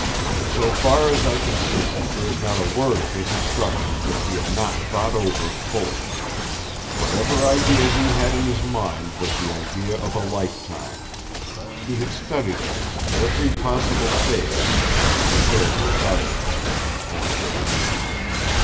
So far as I can see, there is not a word of his instructions that he had not thought over fully. Whatever idea he had in his mind was the idea of a lifetime; he had studied it in every possible phase, and was prepared to guard it at every point.